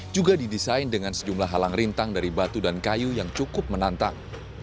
juga didesain dengan sejumlah halang rintang dari batu dan kayu yang cukup menantang